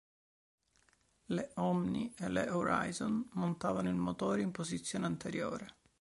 Le Omni e le Horizon montavano il motore in posizione anteriore.